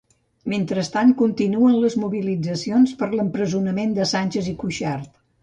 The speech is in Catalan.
Mentrestant, continuen les mobilitzacions per l'empresonament de Sànchez i Cuixart.